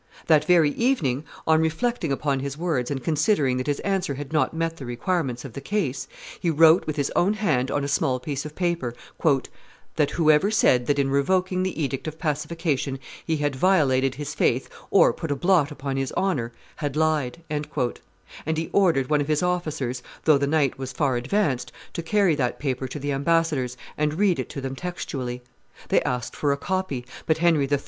That very evening, on reflecting upon his words, and considering that his answer had not met the requirements of the case, he wrote with his own hand on a small piece of paper, "that whoever said that in revoking the edict of pacification he had violated his faith or put a blot upon his honor, had lied;" and he ordered one of his officers, though the night was far advanced, to carry that paper to the ambassadors, and read it to them textually. They asked for a copy; but Henry III.